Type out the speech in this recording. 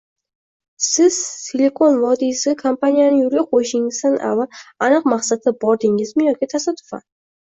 Siz Silikon vodiysiga kompaniyani yoʻlga qoʻyishingizdan avval aniq maqsadda bordingizmi yoki tasodifan?